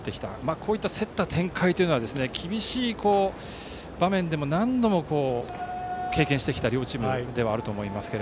こういった競った展開は厳しい場面でも何度も経験してきた両チームだと思いますが。